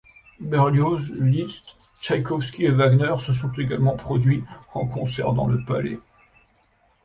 Berlioz, Liszt, Tchaïkovski et Wagner se sont également produits en concert dans le palais.